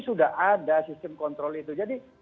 sudah ada sistem kontrol itu jadi